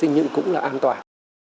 nhưng cũng là an toàn